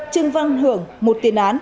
trưng văn hưởng một tiền án